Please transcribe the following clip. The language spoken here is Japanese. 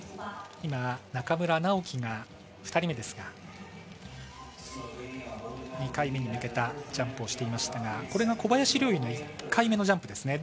今、中村直幹が２人目ですが２回目に向けたジャンプをしていましたがこれが小林陵侑の１回目のジャンプです。